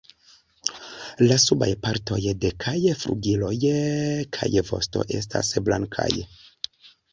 La subaj partoj de kaj flugiloj kaj vosto estas blankaj.